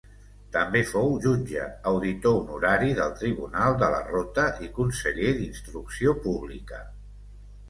També fou jutge auditor honorari del Tribunal de la Rota i conseller d'Instrucció Pública.